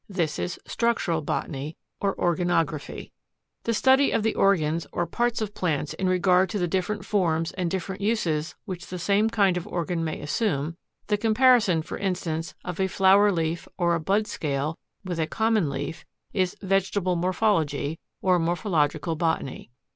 This is STRUCTURAL BOTANY, or ORGANOGRAPHY. The study of the organs or parts of plants in regard to the different forms and different uses which the same kind of organ may assume, the comparison, for instance, of a flower leaf or a bud scale with a common leaf, is VEGETABLE MORPHOLOGY, or MORPHOLOGICAL BOTANY.